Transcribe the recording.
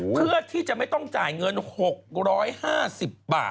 เพื่อที่จะไม่ต้องจ่ายเงิน๖๕๐บาท